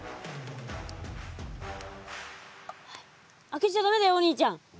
開けちゃだめだよお兄ちゃん。